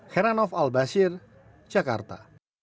heranov al basir jakarta